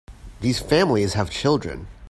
These families have children.